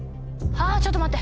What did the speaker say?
ちょっと待って。